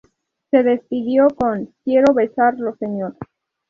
Se despidió con "¡Quiero besarlo Señor!